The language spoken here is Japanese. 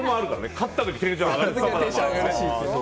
勝った時、テンションが上がる。